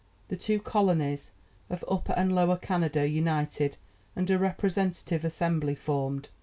The two colonies of Upper and Lower Canada united, and a representative Assembly formed.